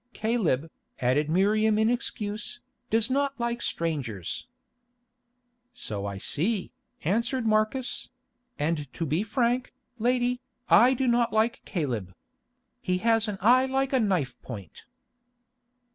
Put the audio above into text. "Caleb," added Miriam in excuse, "does not like strangers." "So I see," answered Marcus; "and to be frank, lady, I do not like Caleb. He has an eye like a knife point."